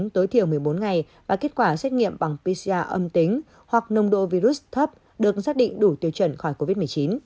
tối thiểu một mươi bốn ngày và kết quả xét nghiệm bằng pcr âm tính hoặc nồng độ virus thấp được xác định đủ tiêu chuẩn khỏi covid một mươi chín